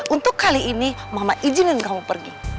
untuk kali ini mama izinin kamu pergi